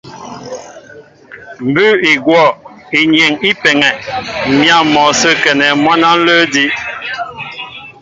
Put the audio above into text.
Mbʉ́ʉ́ i gwɔ̂ inyeŋ í peŋɛ m̀yǎ mɔ sə́ a kɛnɛ mwǎn á ǹlə́ edí'.